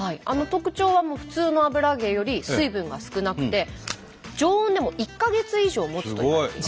特徴は普通の油揚げより水分が少なくて常温でも１か月以上もつといわれています。